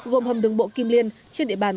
gồm hầm đường bộ kim liên trên địa bàn